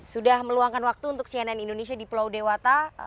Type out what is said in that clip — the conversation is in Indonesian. sudah meluangkan waktu untuk cnn indonesia di pulau dewata